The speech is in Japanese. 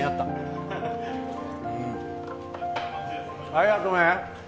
ありがとう。